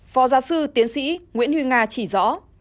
phó giáo sư tiến sĩ nguyễn huy nga chỉ rõ